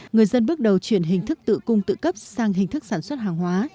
người dân bước đầu chuyển hình thức tự cung tự cấp sang hình thức sản xuất hàng hóa